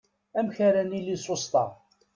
Amek ara nili susṭa?